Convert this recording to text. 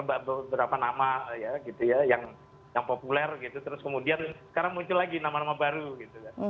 apa namanya berapa nama gitu ya yang populer gitu terus kemudian sekarang muncul lagi nama nama baru gitu